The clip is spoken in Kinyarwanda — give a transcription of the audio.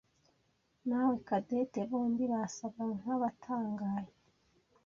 nawe Cadette bombi basaga nkabatangaye.